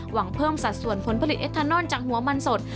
หวังเพิ่มสัดส่วนผลผลิตเอทานอนจากหัวมันสด